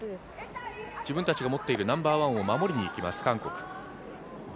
自分たちが持っているナンバーワンを守りにいきます韓国。